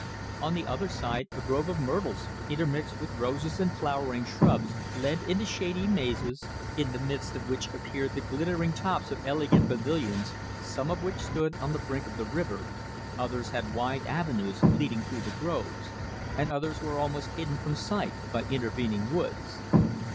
On the other side a grove of myrtles, intermixed with roses and flowering shrubs, led into shady mazes; in the midst of which appeared the glittering tops of elegant pavilions, some of which stood on the brink of the river, others had wide avenues leading through the groves, and others were almost hidden from sight by intervening woods.